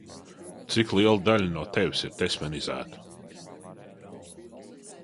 Cik liela daļa no tevis ir tesmenizēta?